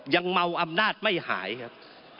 ยังเมาอำนาจไม่หายครับ